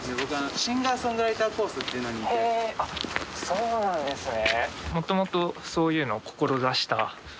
そうなんですね。